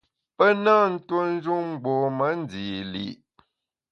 Pe nâ ntue njun mgbom-a ndî li’.